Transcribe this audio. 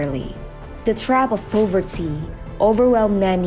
kelebihan kelelahan menyebabkan nanny